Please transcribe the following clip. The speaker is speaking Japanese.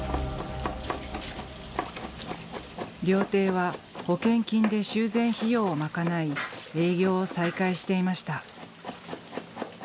料亭は保険金で修繕費用を賄い営業を再開していました。